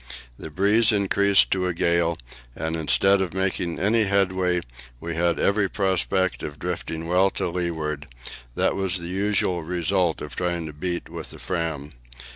The breeze increased to a gale, and instead of making any headway we had every prospect of drifting well to leeward; that was the usual result of trying to beat with the Fram.